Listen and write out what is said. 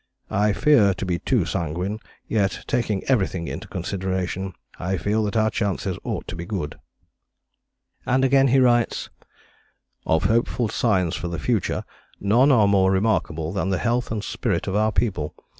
I fear to be too sanguine, yet taking everything into consideration I feel that our chances ought to be good." And again he writes: "Of hopeful signs for the future none are more remarkable than the health and spirit of our people.